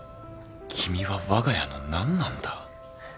君はわが家の何なんだ？